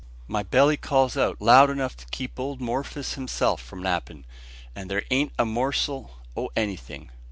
My belly calls out loud enough to keep old Morphis himself from nappin', and there an't a morsel o' anything.